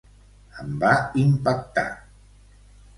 Em va impactar.